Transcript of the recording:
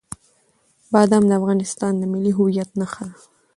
بادام د افغانستان د ملي هویت نښه ده.